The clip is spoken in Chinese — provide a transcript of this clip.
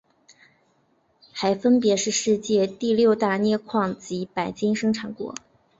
还分别是世界第六大镍矿及白金生产国。